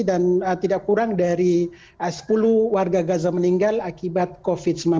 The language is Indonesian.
dan tidak kurang dari sepuluh warga gaza meninggal akibat covid sembilan belas